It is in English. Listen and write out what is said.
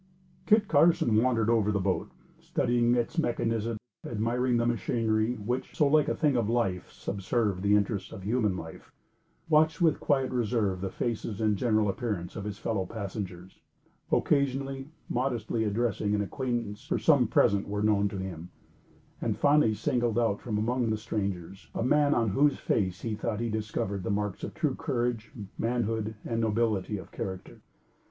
Kit Carson wandered over the boat, studying its mechanism, admiring the machinery, which, so like a thing of life, subserved the interests of human life; watched with quiet reserve the faces and general appearance of his fellow passengers; occasionally, modestly addressed an acquaintance, for some present were known to him; and, finally singled out from among the strangers a man on whose face he thought he discovered the marks of true courage, manhood and nobility of character.